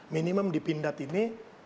minimum dipindahkan ini